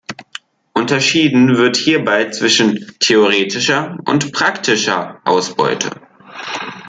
Unterschieden wird hierbei zwischen theoretischer und praktischer Ausbeute.